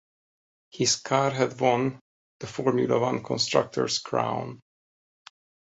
His car had won the Formula One constructors' crown.